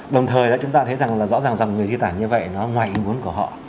đồng thời là chúng ta thấy rằng là rõ ràng rằng người di tản như vậy nó ngoài ý muốn của họ